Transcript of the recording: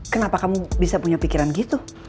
kenapa kamu bisa punya pikiran gitu